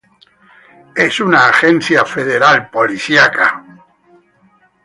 Es una agencia federal policiaca.